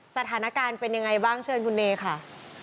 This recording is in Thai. สถานการณ์เป็นยังไงบ้างเชิญคุณเนค่ะ